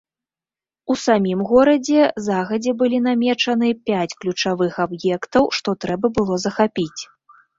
У самім горадзе загадзя былі намечаны пяць ключавых аб'ектаў, што трэба было захапіць.